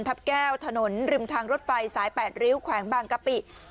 แก้วถนนริมทางรถไฟสาย๘ริ้วแขวงบางกะปิ